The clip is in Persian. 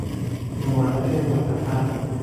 عمارت مرتفع